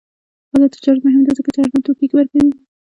آزاد تجارت مهم دی ځکه چې ارزان توکي ورکوي.